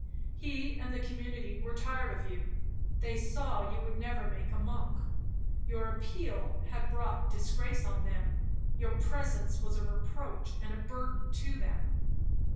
He and the community were tired of you, they saw you would never make a monk,—your appeal had brought disgrace on them, your presence was a reproach and a burden to them.